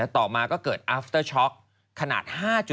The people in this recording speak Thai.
ต่อมาก็เกิดอัฟเตอร์ช็อกขนาด๕๗